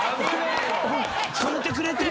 止めてくれて。